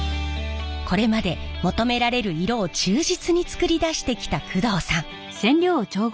これまで求められる色を忠実に作り出してきた工藤さん。